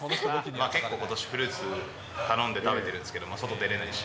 結構、ことしフルーツ頼んで食べてるんですけど、外出れないし。